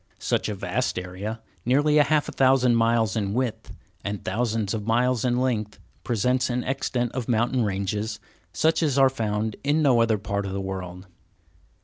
Such a vast area, nearly half a thousand miles in width, and thousands of miles in length, presents an extent of mountain ranges such as are found in no other part of the world.